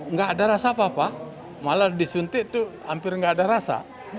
nggak ada rasa apa apa malah disuntik itu hampir nggak ada rasa